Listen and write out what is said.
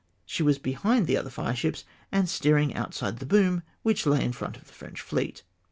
she was behind the other fireships, and steering outside the boom, which lay in front of the French fleet!